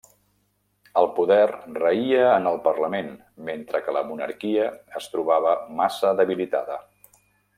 El poder raïa en el parlament, mentre que la monarquia es trobava massa debilitada.